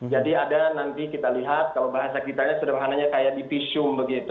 jadi ada nanti kita lihat kalau bahasa kitanya sederhananya kayak dipisum begitu